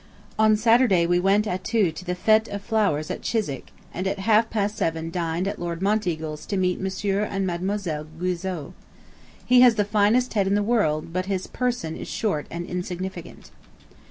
On Saturday we went at two to the fête of flowers at Chiswick, and at half past seven dined at Lord Monteagle's to meet Monsieur and Mademoiselle Guizot. He has the finest head in the world, but his person is short and insignificant.